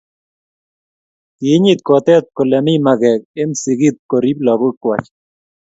kiinyit kotet kole mi mage eng sikik koriib lakokwach